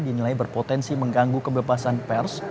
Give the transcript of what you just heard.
dinilai berpotensi mengganggu kebebasan pers